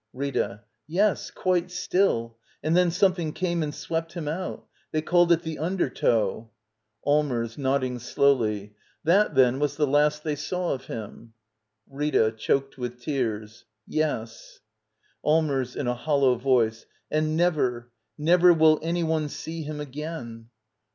Rita. Yes, quite still. And then something .^^mne and swept him out. They called it the under tow. Allmers. [Nodding slowly.] That, then, was the last they saw of him. Rita. [Choked with tears,] Yes. Allmers. [In a hollow voice.] And never — never will any one see him again